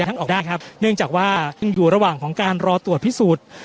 ท่านออกได้ครับเนื่องจากว่ายังอยู่ระหว่างของการรอตรวจพิสูจน์